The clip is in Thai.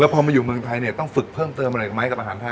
พอมาอยู่เมืองไทยเนี่ยต้องฝึกเพิ่มเติมอะไรอีกไหมกับอาหารไทย